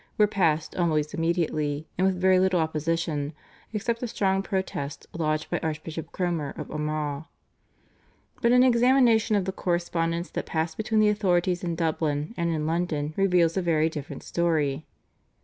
were passed always immediately and with very little opposition except a strong protest lodged by Archbishop Cromer of Armagh. But an examination of the correspondence that passed between the authorities in Dublin and in London reveals a very different story.